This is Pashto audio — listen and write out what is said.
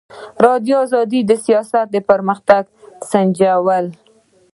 ازادي راډیو د سیاست پرمختګ سنجولی.